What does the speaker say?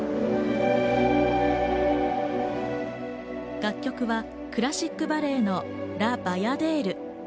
楽曲はクラシックバレエの『ラ・バヤデール』。